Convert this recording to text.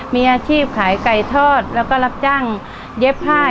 มีอาชีพขายไก่ทอดแล้วก็รับจ้างเย็บผ้า